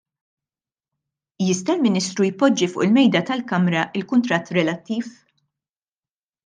Jista' l-Ministru jpoġġi fuq il-Mejda tal-Kamra l-kuntratt relattiv?